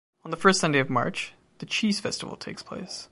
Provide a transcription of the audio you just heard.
On the first Sunday of March the “Cheese Festival” takes place.